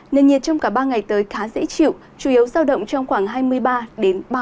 nên nhiệt trong cả ba ngày tới khá dễ chịu chủ yếu sao động trong khoảng hai mươi ba ba mươi ba độ